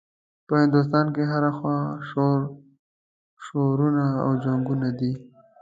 په هندوستان کې هره خوا شورشونه او جنګونه دي.